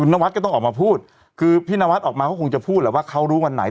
นวัดก็ต้องออกมาพูดคือพี่นวัดออกมาก็คงจะพูดแหละว่าเขารู้วันไหน